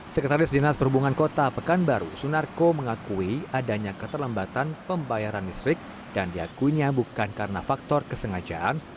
sekretaris dinas perhubungan kota pekanbaru sunarko mengakui adanya keterlambatan pembayaran listrik dan diakunya bukan karena faktor kesengajaan